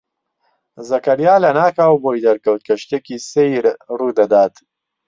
زەکەریا لەناکاو بۆی دەرکەوت کە شتێکی سەیر ڕوو دەدات.